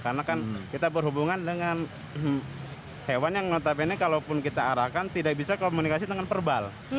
karena kan kita berhubungan dengan hewan yang notabene kalaupun kita arahkan tidak bisa komunikasi dengan verbal